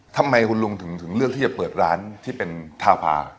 ทำไมคุณลุงถึงเลือกที่จะเปิดร้านที่เป็นทาพา